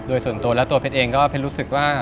โดยส่วนตัวแล้วตัวเพชรเองก็เพชรรู้สึกว่า